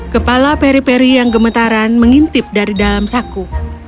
kepala peri peri yang gemetaran mengintip dari dalam saku